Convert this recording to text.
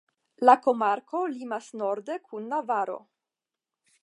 La komarko limas norde kun Navaro.